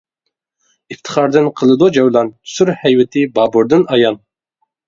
ئىپتىخاردىن قىلىدۇ جەۋلان، سۈر ھەيۋىتى بابۇردىن ئايان.